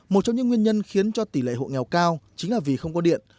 một trong những nguyên nhân khiến cho tỷ lệ hộ nghèo cao chính là vì không có điện